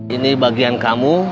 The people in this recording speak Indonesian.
ini bagian kamu